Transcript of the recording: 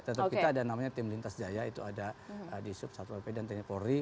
tentu kita ada namanya tim lintas jaya itu ada di sup satu rp dan teknik polri